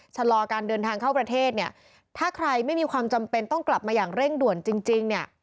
ชะลอการเดินทางเข้าประเทศเนี่ยถ้าใครไม่มีความจำเป็นต้องกลับมาอย่างเร่งด่วนจริงเนี่ย